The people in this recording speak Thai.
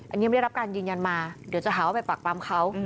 อันนี้ไม่ได้รับการยืนยันมาเดี๋ยวจะหาว่าไปปากปรำเขา